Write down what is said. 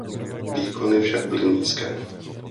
Výkony však byly nízké.